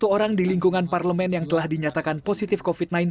satu orang di lingkungan parlemen yang telah dinyatakan positif covid sembilan belas